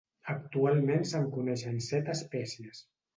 Actualment se"n coneixen set espècies.